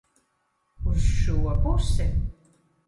Uz šo pusi?